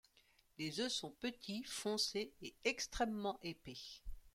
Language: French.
Les œufs sont petits, foncés et extrêmement épais.